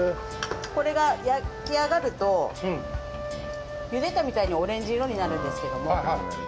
これが焼き上がるとゆでたみたいにオレンジ色になるんですけども。